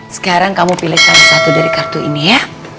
sekarang kamu pilih salah satu dari kartu ini ya